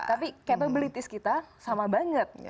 tapi capabilities kita sama banget